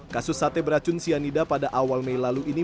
kasus sate beracun cyanida pada awal mei lalu ini